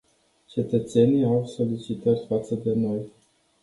Cetățenii au solicitări față de noi.